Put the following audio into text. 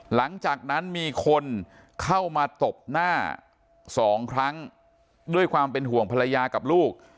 หลังจากนั้นมีคนเข้ามาตบหน้าสองครั้งด้วยความเป็นห่วงภรรยากับลูก